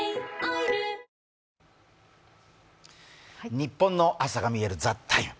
「ニッポンの朝がみえる！ＴＨＥＴＩＭＥ，」